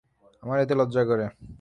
আমার এতে লজ্জা করে।